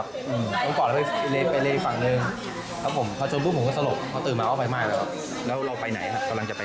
คือผมไม่แม่ใจว่าตอนก่อนอันนั้นรู้สึกเสียหลักเสียหลักได้ยังไง